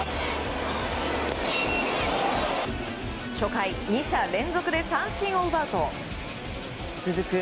初回、２者連続で三振を奪うと続く